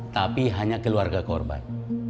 tapi hanya keluarga korban